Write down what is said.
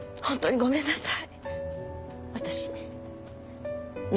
本当にごめんなさい。